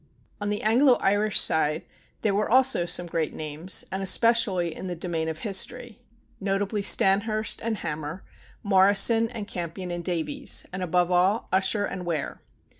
On the Anglo Irish side there were also some great names, and especially in the domain of history, notably Stanyhurst and Hammer, Moryson and Campion and Davies, and, above all, Ussher and Ware.